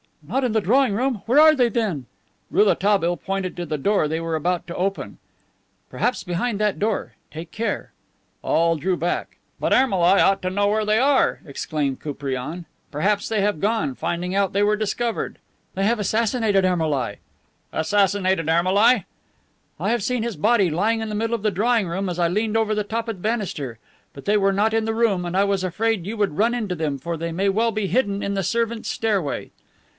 "Not in the drawing room! Where are they, then?" Rouletabille pointed to the door they were about to open. "Perhaps behind that door. Take care!" All drew back. "But Ermolai ought to know where they are," exclaimed Koupriane. "Perhaps they have gone, finding out they were discovered." "They have assassinated Ermolai." "Assassinated Ermolai!" "I have seen his body lying in the middle of the drawing room as I leaned over the top of the banister. But they were not in the room, and I was afraid you would run into them, for they may well be hidden in the servants' stairway."